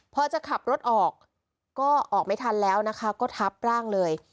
พอจะขับรถออกก็ออกไม่ทันแล้วนะคะก็ทับร่างเลย